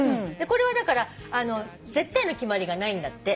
これはだから絶対の決まりがないんだって。